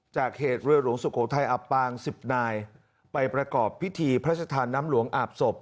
จากเหตุเรือหลวงสุโขทัยอับปาง๑๐นายไปประกอบพิธีพระชธานน้ำหลวงอาบศพ